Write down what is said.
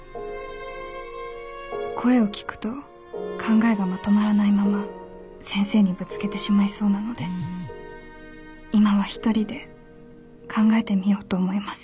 声を聞くと考えがまとまらないまま先生にぶつけてしまいそうなので今は一人で考えてみようと思います」。